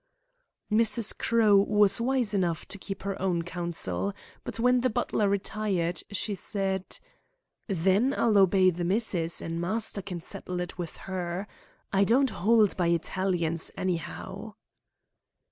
Mrs. Crowe was wise enough to keep her own counsel, but when the butler retired, she said: "Then I'll obey the missus, an' master can settle it with her. I don't hold by Eye talians, anyhow."